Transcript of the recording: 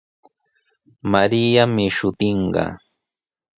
Mariami shutinqa.